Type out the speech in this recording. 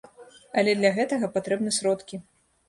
Але для гэтага патрэбны сродкі.